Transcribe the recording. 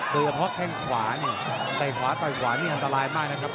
เตยกระเพาะแข่งขวาเนี่ยใกล้ขวาเตยขวาเนี่ยอันตรายมากนะครับ